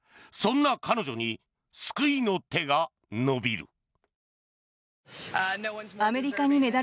そんな彼女に救いの手が伸びる。